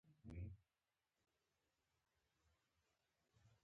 د خالد ښه راغلاست په کار دئ!